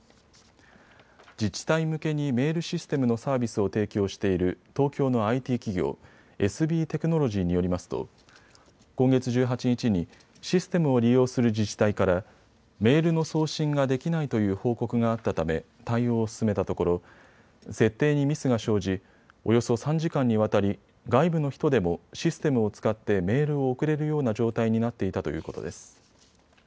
自治体向けにメールシステムのサービスを提供している東京のＩＴ企業、ＳＢテクノロジーによりますと今月１８日にシステムを利用する自治体からメールの送信ができないという報告があったため対応を進めたところ設定にミスが生じおよそ３時間にわたり外部の人でもシステムを使ってメールを送れるような状態になっていたということです。